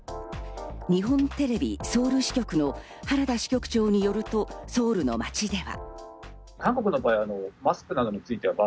日本テレビ・ソウル支局の原田支局長によるとソウルの街では。